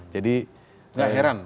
jadi nggak heran